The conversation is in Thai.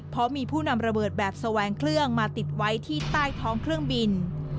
เพราะมีผู้นำระเบิดแบบแสวงเครื่องมาติดไว้ที่ใต้ท้องเครื่องบิน